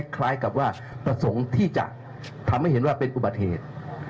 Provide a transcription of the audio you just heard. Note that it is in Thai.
คล้ายกับว่าประสงค์ที่จะทำให้เห็นว่าเป็นอุบัติเหตุ